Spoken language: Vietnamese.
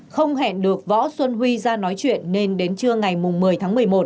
không hẹn được võ xuân huy ra nói chuyện nên đến trưa ngày một mươi tháng một mươi một